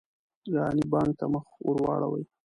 جهاني بانک ته مخ ورواړوي.